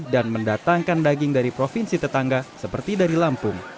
dan mendatangkan daging dari provinsi tetangga seperti dari lampung